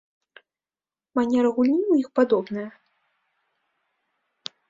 Манера гульні ў іх падобная.